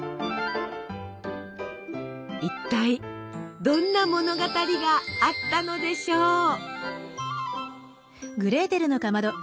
いったいどんな物語があったのでしょう。